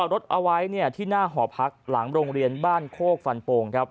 รถเอาไว้ที่หน้าหอพักหลังโรงเรียนบ้านโคกฟันโป่งครับ